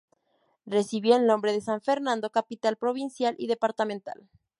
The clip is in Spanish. Recibió el nombre de San Fernando, capital provincial y departamental.